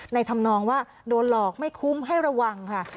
ทำนองว่าโดนหลอกไม่คุ้มให้ระวังค่ะ